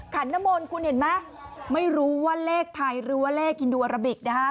ขันนมลคุณเห็นไหมไม่รู้ว่าเลขไทยหรือว่าเลขฮินดูอาราบิกนะฮะ